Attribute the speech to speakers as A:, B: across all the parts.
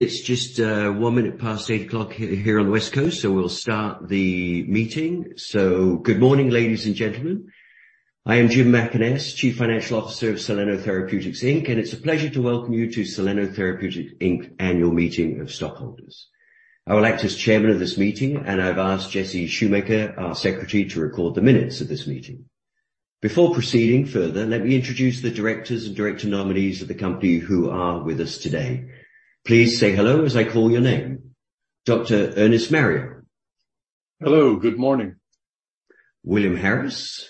A: It's just one minute past eight o'clock here on the West Coast, we'll start the meeting. Good morning, ladies and gentlemen. I am James Mackaness, Chief Financial Officer of Soleno Therapeutics, Inc., it's a pleasure to welcome you to Soleno Therapeutics, Inc. Annual Meeting of Stockholders. I will act as chairman of this meeting, I've asked Jesse Schumaker, our secretary, to record the minutes of this meeting. Before proceeding further, let me introduce the directors and director nominees of the company who are with us today. Please say hello as I call your name. Dr. Ernest Mario?
B: Hello, good morning.
A: William Harris?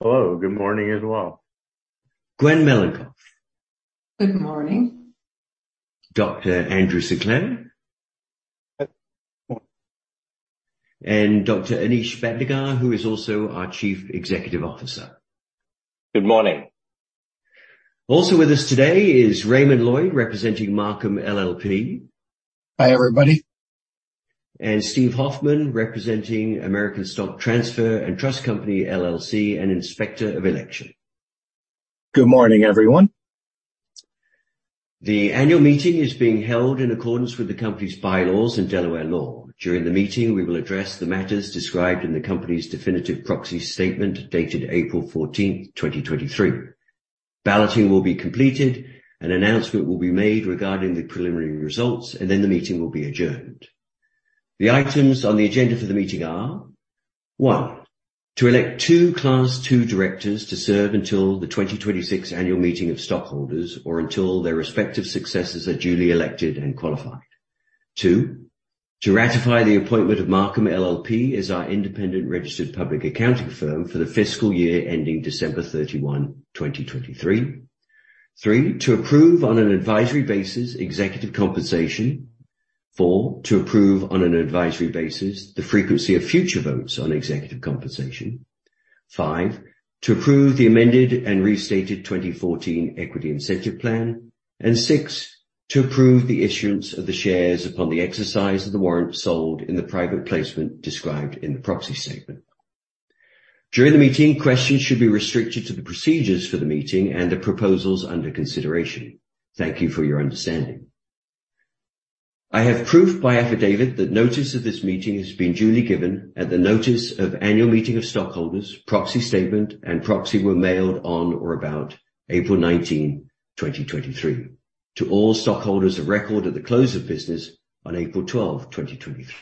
C: Hello, good morning as well.
A: Gwen Melincoff?
D: Good morning.
A: Dr. Andrew Sinclair?
E: Good morning.
A: Dr. Anish Bhatnagar, who is also our Chief Executive Officer.
F: Good morning.
A: Also with us today is Raymond Lloyd, representing Marcum LLP.
G: Hi, everybody.
A: Steve Hoffman, representing American Stock Transfer & Trust Company, LLC, an Inspector of Election.
H: Good morning, everyone.
A: The annual meeting is being held in accordance with the company's bylaws and Delaware law. During the meeting, we will address the matters described in the company's definitive proxy statement, dated April 14th, 2023. Balloting will be completed, an announcement will be made regarding the preliminary results, and then the meeting will be adjourned. The items on the agenda for the meeting are: One, to elect two Class II Directors to serve until the 2026 annual meeting of stockholders or until their respective successors are duly elected and qualified. Two, to ratify the appointment of Marcum LLP as our independent registered public accounting firm for the fiscal year ending December 31, 2023. Three. to approve on an advisory basis, executive compensation. Four, to approve on an advisory basis, the frequency of future votes on executive compensation. Five, to approve the amended and restated 2014 Equity Incentive Plan. Six, to approve the issuance of the shares upon the exercise of the warrant sold in the private placement described in the proxy statement. During the meeting, questions should be restricted to the procedures for the meeting and the proposals under consideration. Thank you for your understanding. I have proof by affidavit that notice of this meeting has been duly given, and the notice of annual meeting of stockholders, proxy statement, and proxy were mailed on or about April 19th, 2023, to all stockholders of record at the close of business on April 12th, 2023.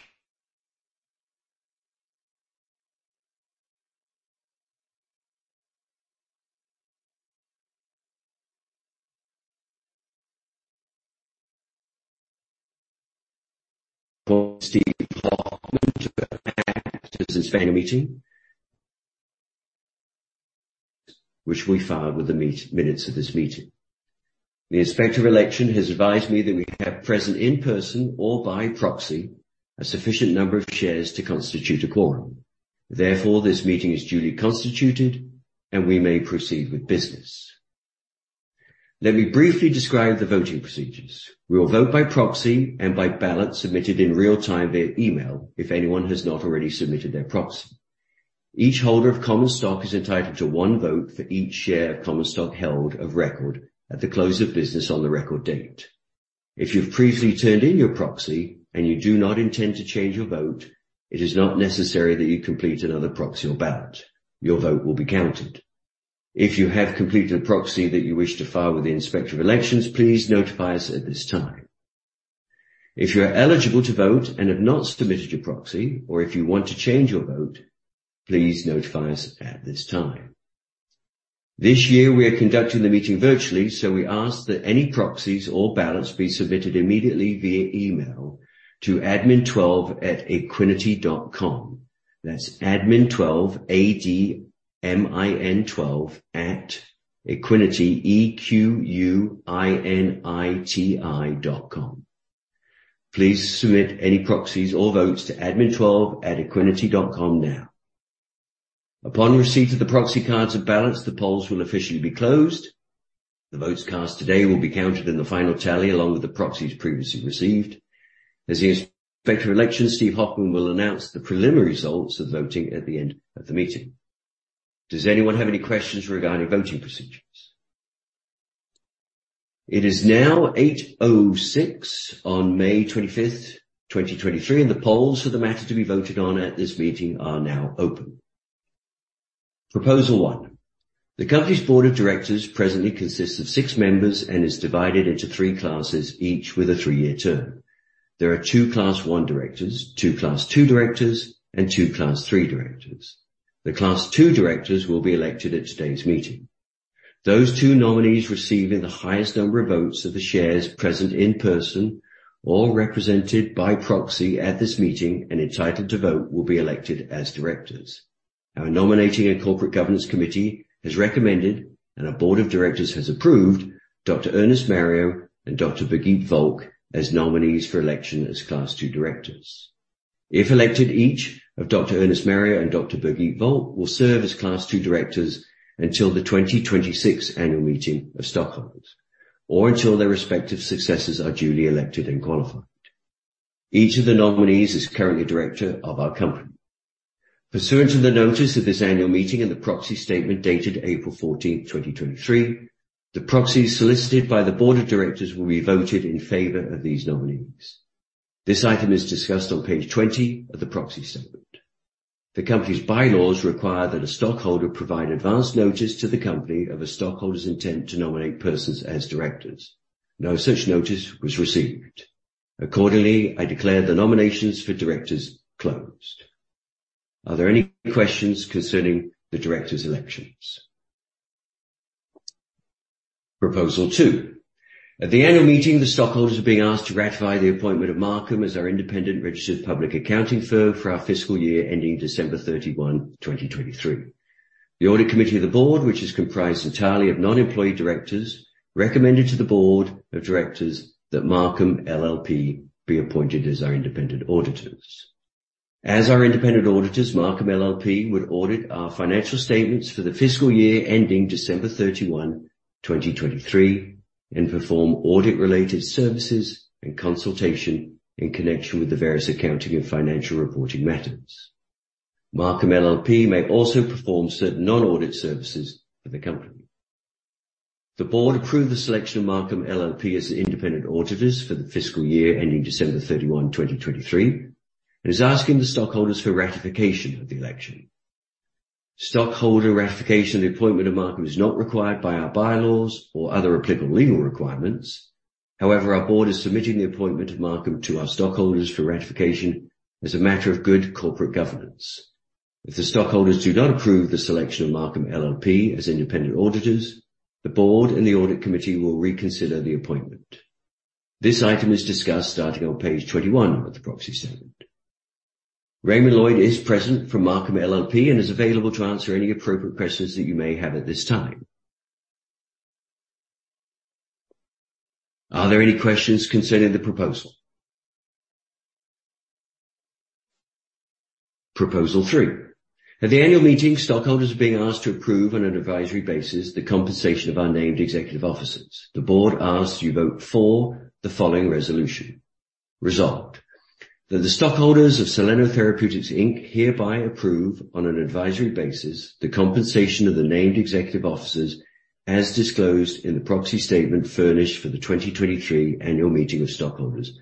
A: Steve Hoffman, to act as this very meeting, which we filed with the minutes of this meeting. The Inspector of Election has advised me that we have present in person or by proxy, a sufficient number of shares to constitute a quorum. This meeting is duly constituted, and we may proceed with business. Let me briefly describe the voting procedures. We will vote by proxy and by ballot submitted in real time via email, if anyone has not already submitted their proxy. Each holder of common stock is entitled to one vote for each share of common stock held of record at the close of business on the record date. If you've previously turned in your proxy and you do not intend to change your vote, it is not necessary that you complete another proxy or ballot. Your vote will be counted. If you have completed a proxy that you wish to file with the Inspector of Election, please notify us at this time. If you are eligible to vote and have not submitted your proxy, or if you want to change your vote, please notify us at this time. This year, we are conducting the meeting virtually, so we ask that any proxies or ballots be submitted immediately via email to admin12@equiniti.com. That's admin12, A-D-M-I-N 12, at Equiniti, E-Q-U-I-N-I-T-I.com. Please submit any proxies or votes to admin12@equiniti.com now. Upon receipt of the proxy cards and ballots, the polls will officially be closed. The votes cast today will be counted in the final tally, along with the proxies previously received. As the Inspector of Election, Steve Hoffman will announce the preliminary results of the voting at the end of the meeting. Does anyone have any questions regarding voting procedures? It is now 8:06 on May 25th, 2023. The polls for the matter to be voted on at this meeting are now open. Proposal 1: The company's board of directors presently consists of six members and is divided into three classes, each with a three-year term. There are two Class I Directors, two Class II Directors, and two Class III Directors. The Class II Directors will be elected at today's meeting. Those two nominees receiving the highest number of votes of the shares present in person or represented by proxy at this meeting and entitled to vote, will be elected as directors. Our Nominating and Corporate Governance Committee has recommended, and our Board of Directors has approved Dr. Ernest Mario and Dr. Birgitte Volck as nominees for election as Class II Directors. If elected, each of Dr. Ernest Mario and Dr. Birgitte Volck will serve as Class II Directors until the 2026 annual meeting of stockholders, or until their respective successors are duly elected and qualified. Each of the nominees is currently a director of our company. Pursuant to the notice of this annual meeting and the proxy statement dated April 14th, 2023, the proxies solicited by the Board of Directors will be voted in favor of these nominees. This item is discussed on page 20 of the proxy statement. The company's bylaws require that a stockholder provide advanced notice to the company of a stockholder's intent to nominate persons as directors. No such notice was received. Accordingly, I declare the nominations for directors closed. Are there any questions concerning the directors elections? Proposal 2. At the annual meeting, the stockholders are being asked to ratify the appointment of Marcum as our independent registered public accounting firm for our fiscal year ending December 31, 2023. The audit committee of the board, which is comprised entirely of non-employee directors, recommended to the Board of Directors that Marcum LLP be appointed as our independent auditors. As our independent auditors, Marcum LLP would audit our financial statements for the fiscal year ending December 31, 2023, and perform audit-related services and consultation in connection with the various accounting and financial reporting matters. Marcum LLP may also perform certain non-audit services for the company. The board approved the selection of Marcum LLP as the independent auditors for the fiscal year ending December 31, 2023, and is asking the stockholders for ratification of the election. Stockholder ratification of the appointment of Marcum is not required by our bylaws or other applicable legal requirements. However, our board is submitting the appointment of Marcum to our stockholders for ratification as a matter of good corporate governance. If the stockholders do not approve the selection of Marcum LLP as independent auditors, the board and the audit committee will reconsider the appointment. This item is discussed starting on page 21 of the proxy statement. Raymond Lloyd is present from Marcum LLP and is available to answer any appropriate questions that you may have at this time. Are there any questions concerning the proposal? Proposal three. At the annual meeting, stockholders are being asked to approve, on an advisory basis, the compensation of our named executive officers. The board asks you vote for the following resolution resolved, that the stockholders of Soleno Therapeutics, Inc., hereby approve, on an advisory basis, the compensation of the named executive officers as disclosed in the proxy statement furnished for the 2023 annual meeting of stockholders,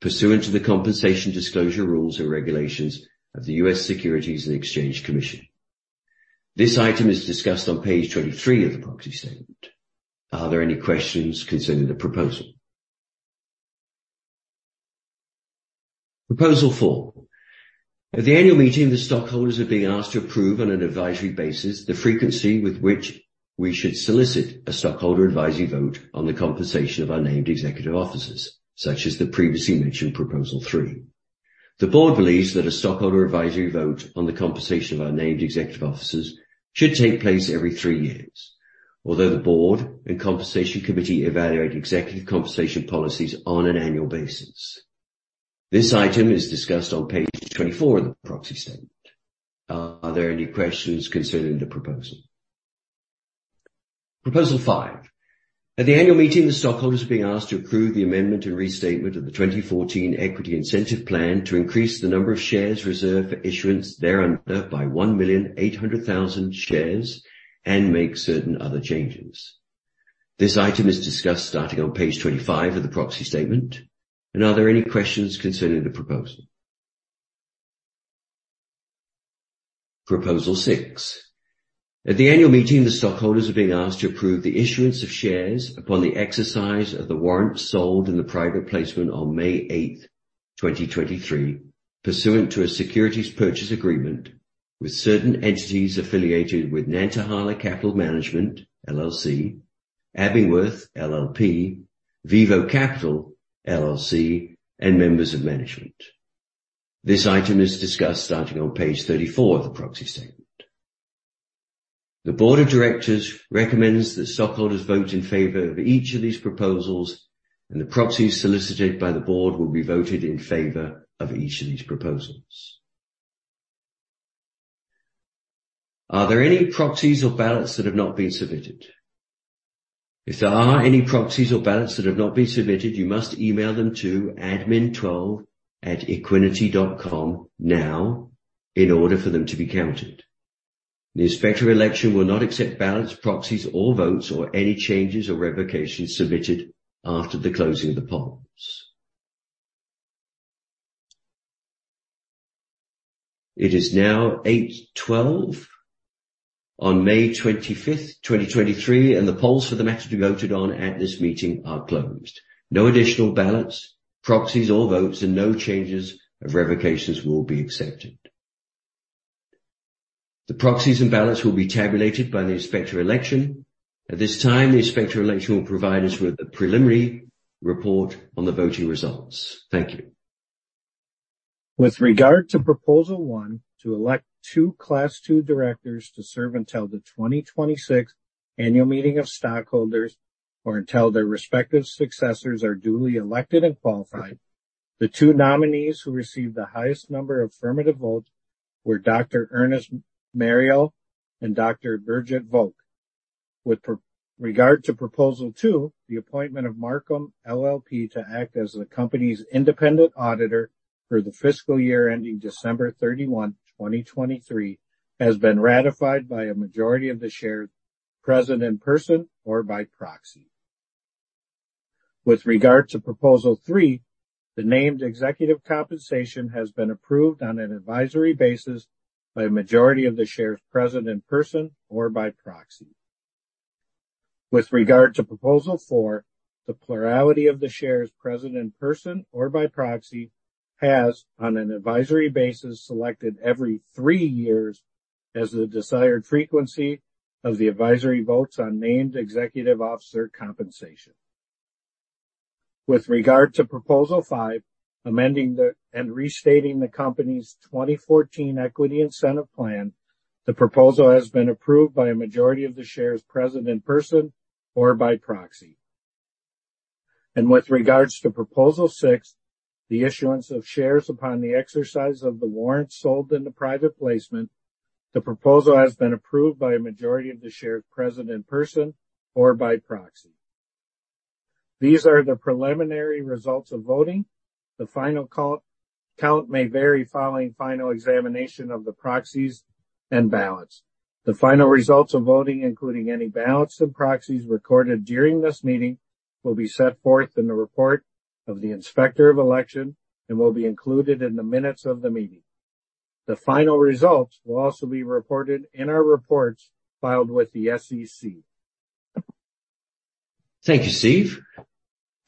A: pursuant to the compensation disclosure rules and regulations of the U.S. Securities and Exchange Commission. This item is discussed on page 23 of the proxy statement. Are there any questions concerning the proposal? Proposal 4. At the annual meeting, the stockholders are being asked to approve, on an advisory basis, the frequency with which we should solicit a stockholder advisory vote on the compensation of our named executive officers, such as the previously mentioned Proposal 3. The board believes that a stockholder advisory vote on the compensation of our named executive officers should take place every three years, although the board and compensation committee evaluate executive compensation policies on an annual basis. This item is discussed on page 24 of the proxy statement. Are there any questions concerning the proposal? Proposal 5. At the annual meeting, the stockholders are being asked to approve the amendment and restatement of the 2014 Equity Incentive Plan to increase the number of shares reserved for issuance thereunder by 1,800,000 shares and make certain other changes. This item is discussed starting on page 25 of the proxy statement. Are there any questions concerning the proposal? Proposal 6. At the annual meeting, the stockholders are being asked to approve the issuance of shares upon the exercise of the warrants sold in the private placement on May 8th, 2023, pursuant to a securities purchase agreement with certain entities affiliated with Nantahala Capital Management, LLC, Abingworth LLP, Vivo Capital, LLC, and members of management. This item is discussed starting on page 34 of the proxy statement. The board of directors recommends that stockholders vote in favor of each of these proposals, the proxies solicited by the board will be voted in favor of each of these proposals. Are there any proxies or ballots that have not been submitted? If there are any proxies or ballots that have not been submitted, you must email them to admin12@equiniti.com now in order for them to be counted. The inspector election will not accept ballots, proxies, or votes, or any changes or revocations submitted after the closing of the polls. It is now 8:12 on May 25th, 2023, the polls for the matter to be voted on at this meeting are closed. No additional ballots, proxies, or votes, no changes of revocations will be accepted. The proxies and ballots will be tabulated by the Inspector of Election. At this time, the Inspector of Election will provide us with a preliminary report on the voting results. Thank you.
H: With regard to Proposal 1 to elect two Class II Directors to serve until the 2026 annual meeting of stockholders or until their respective successors are duly elected and qualified, the two nominees who received the highest number of affirmative votes were Dr. Ernest Mario and Dr. Birgitte Volck. With regard to Proposal 2, the appointment of Marcum LLP to act as the company's independent auditor for the fiscal year ending December 31, 2023, has been ratified by a majority of the shares present in person or by proxy. With regard to Proposal 3, the named executive compensation has been approved on an advisory basis by a majority of the shares present in person or by proxy. With regard to Proposal 4, the plurality of the shares present in person or by proxy has, on an advisory basis, selected every three years as the desired frequency of the advisory votes on named executive officer compensation. With regard to Proposal 5, amending the, and restating the company's 2014 Equity Incentive Plan, the proposal has been approved by a majority of the shares present in person or by proxy. With regards to Proposal 6, the issuance of shares upon the exercise of the warrants sold in the private placement, the proposal has been approved by a majority of the shares present in person or by proxy. These are the preliminary results of voting. The final count may vary following final examination of the proxies and ballots. The final results of voting, including any ballots of proxies recorded during this meeting, will be set forth in the report of the Inspector of Election and will be included in the minutes of the meeting. The final results will also be reported in our reports filed with the SEC.
A: Thank you, Steve.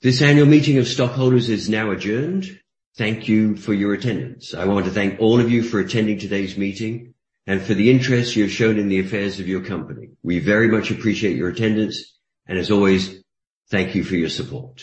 A: This annual meeting of stockholders is now adjourned. Thank you for your attendance. I want to thank all of you for attending today's meeting and for the interest you've shown in the affairs of your company. We very much appreciate your attendance, and as always, thank you for your support.